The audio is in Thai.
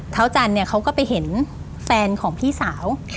เท้าจันเขาก็ไปเห็นแฟนของพี่สาว